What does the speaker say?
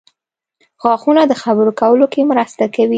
• غاښونه د خبرو کولو کې مرسته کوي.